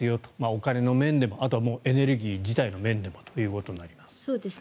お金の面でもあとはエネルギー自体の面でもということになります。